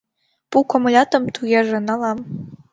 Пу комылятым, тугеже, налам.